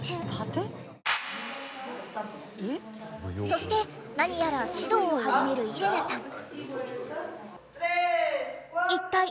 そして何やら指導を始めるイレネさん。